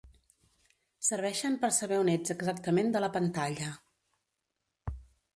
Serveixen per saber on ets exactament de la pantalla.